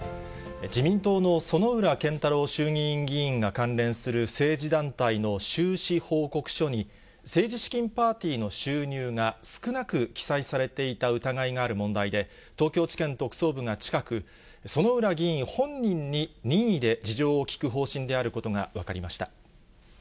自民党の薗浦健太郎衆議院議員が関連する政治団体の収支報告書に、政治資金パーティーの収入が、少なく記載されていた疑いがある問題で、東京地検特捜部が近く、薗浦議員本人に任意で事情を聴く方針であることが分かりました。